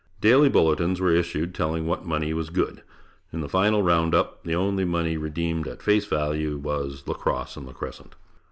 Daily bulletins were issued telling what money was good. In the final round up, the only money redeemed at face value was "La Crosse and La Crescent."